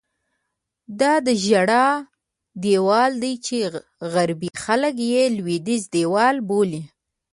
دا د ژړا دیوال دی چې غربي خلک یې لوېدیځ دیوال بولي.